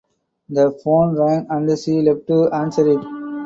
The phone rang and she left to answer it.